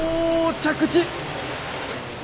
着地！